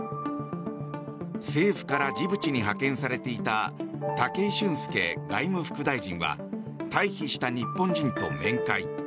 政府からジブチに派遣されていた武井俊輔外務副大臣は退避した日本人と面会。